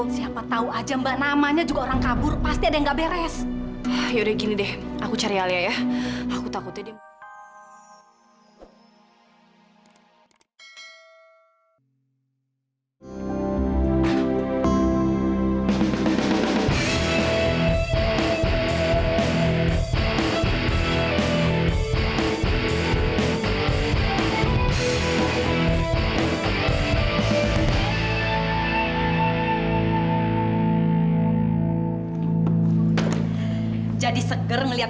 sampai jumpa di video selanjutnya